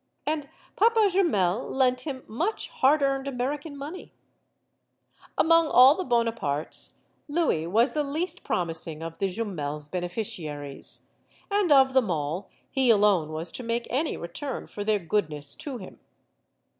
And Papa Jumel lent him much hard earned American money. MADAME JUMEL 103 Among all the Bonapartes, Louis was the least promis ing of the Jumels' beneficiaries. And of them all, he alone was to make any return for their goodness to him.